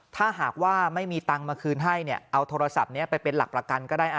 ถ้าหากว่าไม่มีตังค์มาคืนให้เอาโทรศัพท์นี้ไปเป็นหลักประกันก็ได้